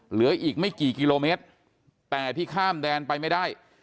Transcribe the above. เหลืออีกไม่กี่กิโลเมตรแต่ที่ข้ามแดนไปไม่ได้